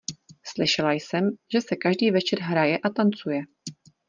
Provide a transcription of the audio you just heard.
Slyšela jsem, že se každý večer hraje a tancuje.